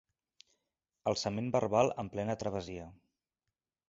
Alçament verbal en plena travessia.